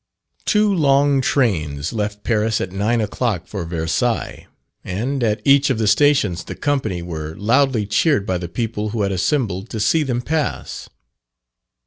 Two long trains left Paris at nine o'clock for Versailles; and at each of the stations the company were loudly cheered by the people who had assembled to see them pass.